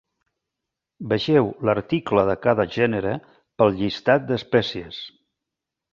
Vegeu l'article de cada gènere pel llistat d'espècies.